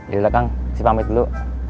yaudah kang si pamit dulu